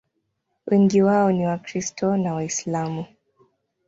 Wengi wao ni Wakristo na Waislamu.